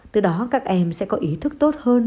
từ đó các em sẽ có ý thức tốt hơn